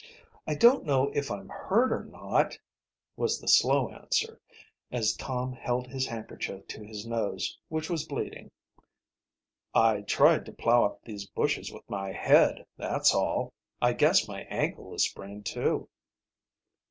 "I don't know if I'm hurt or not," was the 'slow answer, as Tom held his handkerchief to his nose, which was bleeding. "I tried to plow up these bushes with my head, that's all. I guess my ankle is sprained, too."